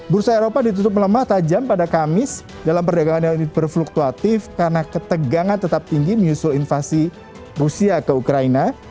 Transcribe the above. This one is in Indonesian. bursa eropa ditutup melemah tajam pada kamis dalam perdagangan yang berfluktuatif karena ketegangan tetap tinggi menyusul invasi rusia ke ukraina